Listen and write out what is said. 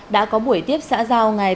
đã có buổi tiếp xã giao ngày